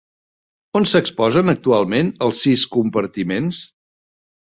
On s'exposen actualment els sis compartiments?